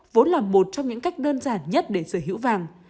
vốn là một trong những cách đơn giản nhất để sở hữu vàng